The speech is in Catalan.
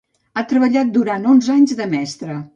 Ha treballat durant onze anys de mestra.